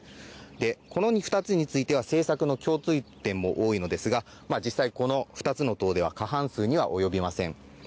この２つについては政策の共通点も多いのですが、この２つの党では過半数には及びません。